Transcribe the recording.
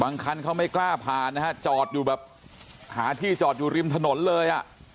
บางคันเขาไม่กล้าผ่านหาที่จอดอยู่ริมถนนเลย